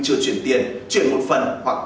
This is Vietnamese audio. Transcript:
chưa chuyển tiền chuyển một phần hoặc